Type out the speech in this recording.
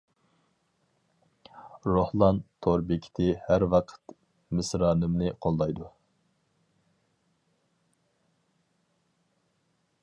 روھلان تور بېكىتى ھەر ۋاقىت مىسرانىمنى قوللايدۇ.